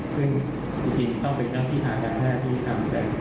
ซึ่งจริงต้องเป็นหน้าที่ทางการแพทย์ที่ทำเสร็จ